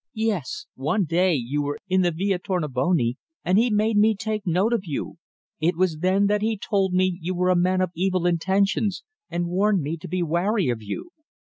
"Yes. One day you were in the Via Tornabuoni and he made me take note of you. It was then that he told me you were a man of evil intentions, and warned me to be wary of you."